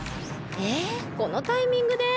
えこのタイミングで？